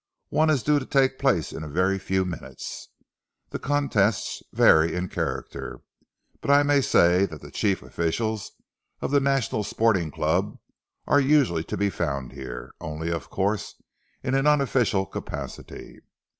One is due to take place in a very few minutes. The contests vary in character, but I may say that the chief officials of the National Sporting Club are usually to be found here, only, of course, in an unofficial capacity.